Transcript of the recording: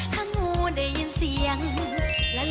ถ้างูได้ยินเสียง